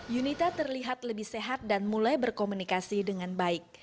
yunita terlihat lebih sehat dan mulai berkomunikasi dengan baik